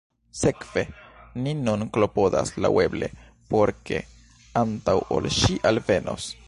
Sekve, ni nun klopodas laŭeble por ke, antaŭ ol ŝi alvenos…